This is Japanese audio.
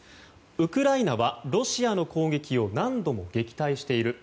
ウクライナはロシアの攻撃を何度も撃退している。